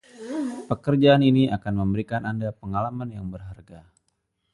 Pekerjaan ini akan memberikan Anda pengalaman yang berharga.